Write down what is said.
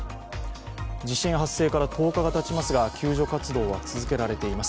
地震発生から１０日がたちますが、救助活動は続けられています。